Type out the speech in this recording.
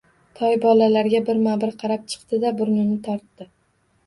Toy bolalarga birma-bir qarab chiqdi-da, burnini tortdi.